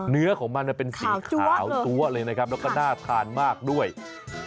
เนื้อของมันเป็นสีขาวจั๊วเลยนะครับแล้วก็น่าทานมากด้วย